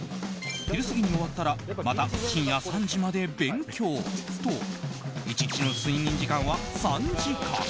昼過ぎに終わったらまた深夜３時まで勉強と１日の睡眠時間は３時間。